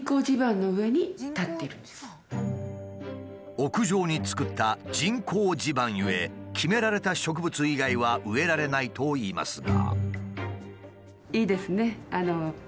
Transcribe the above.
屋上に造った人工地盤ゆえ決められた植物以外は植えられないといいますが。